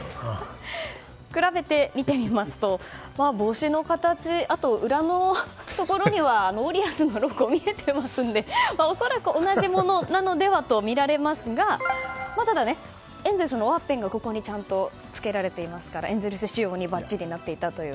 比べて見てみますと帽子の形、あと、裏のところにはウォリアーズのロゴが見えてますので恐らく同じものなのではとみられますがただ、エンゼルスのワッペンがちゃんと付けられてますからエンゼルス仕様にばっちりなっていたという。